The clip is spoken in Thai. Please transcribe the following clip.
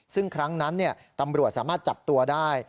ซึ่งครั้งนั้นตำรวจสามารถจับตัวได้